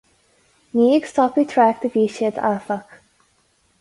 Ní ag stopadh trácht a bhí siad, áfach.